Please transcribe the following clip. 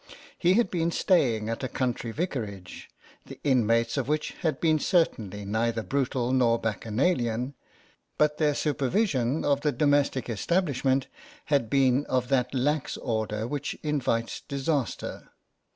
He had been staying at a country vicarage, the inmates of which had been certainly neither brutal nor bacchanalian, but their supervision of the domestic establishment had been of that xi6 THE MOUSE 117 lax order which invites disaster.